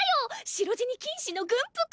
白地に金糸の軍服！